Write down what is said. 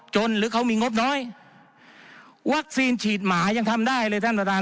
หรือเขามีงบน้อยวัคซีนฉีดหมายังทำได้เลยท่านประธาน